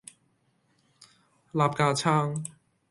擸架撐